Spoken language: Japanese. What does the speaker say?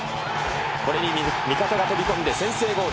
これに味方が飛び込んで先制ゴール。